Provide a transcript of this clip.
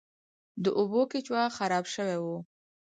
د اوبو کیچوا خراب شوی و.